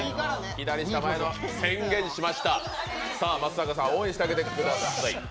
宣言しました、松坂さん、応援してあげてください